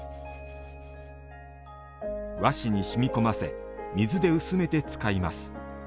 和紙にしみ込ませ水で薄めて使います。